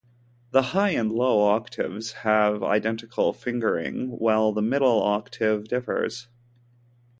The low and high octaves have identical fingering, while the middle octave differs.